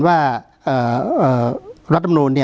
การแสดงความคิดเห็น